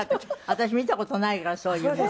私見た事ないからそういうの。